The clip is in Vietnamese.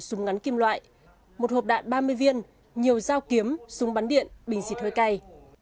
một súng ngắn kim loại một hộp đạn ba mươi viên nhiều dao kiếm súng bắn điện bình xịt hơi cay